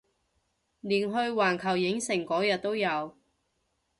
連去環球影城嗰日都有